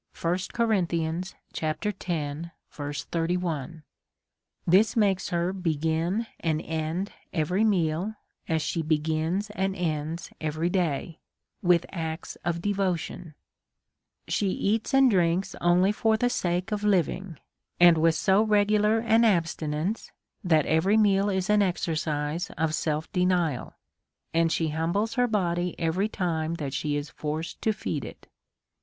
This makes her begin and end every meal, as she be gins and ends every day, with acts of devotion : She eats and drinks only for the sake of living, and with so regular an abstinence, that every meal is an exer cise of self denial, that she humbles her body every time that'siiC is forced to feed it.